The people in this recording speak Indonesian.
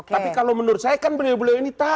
tapi kalau menurut saya kan beliau beliau ini tahu